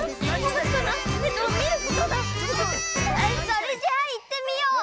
それじゃあいってみよう！